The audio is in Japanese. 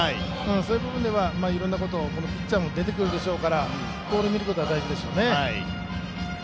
そういう部分では、いろんなこともこのピッチャーも出てくるでしょうからボールを見ることは大事でしょうね。